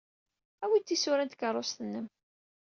Awey-d tisura n tkeṛṛust-nnem.